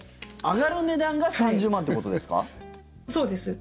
上がる値段が３０万ということですか？